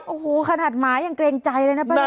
โอ้โหขนาดหมายังเกรงใจเลยนะป้าเล็ก